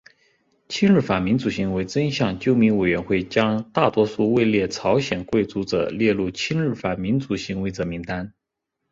亲日反民族行为真相纠明委员会将大多数位列朝鲜贵族者列入亲日反民族行为者名单。